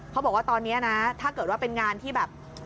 เขาบอกว่าตอนนี้นะถ้าเกิดว่าเป็นงานที่แบบ